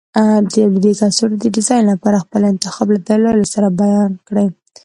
د تولیدي کڅوړو د ډیزاین لپاره خپل انتخاب له دلایلو سره بیان کړئ.